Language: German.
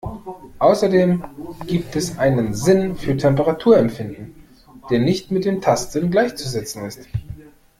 Außerdem gibt es einen Sinn für Temperaturempfinden, der nicht mit dem Tastsinn gleichzusetzen ist.